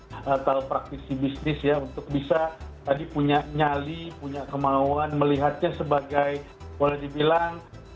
atau praktisi bisnis ya untuk bisa tadi punya nyali punya kemauan melihatnya sebagai boleh dibilang